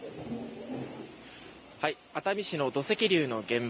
熱海市の土石流の現場